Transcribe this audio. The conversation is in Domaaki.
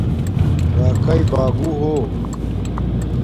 راکاݵ باگوہ ہو